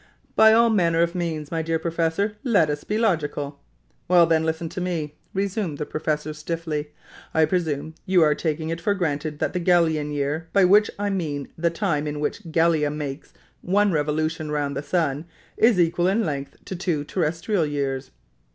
"By all manner of means, my dear professor, let us be logical." "Well, then, listen to me," resumed the professor, stiffly. "I presume you are taking it for granted that the Gallian year by which I mean the time in which Gallia makes one revolution round the sun is equal in length to two terrestrial years."